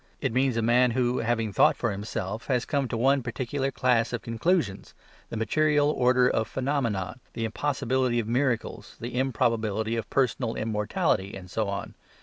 It means a man who, having thought for himself, has come to one particular class of conclusions, the material origin of phenomena, the impossibility of miracles, the improbability of personal immortality and so on.